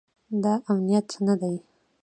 دا امنیت نه دی